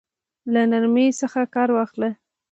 له نرمۍ څخه كار واخله!